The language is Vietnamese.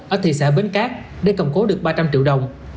ở thị xã bến cát để cầm cố được ba trăm linh triệu đồng